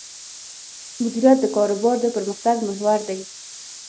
مدیریت د کاروبار د پرمختګ محور دی.